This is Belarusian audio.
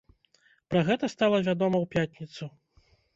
Пра гэта стала вядома ў пятніцу.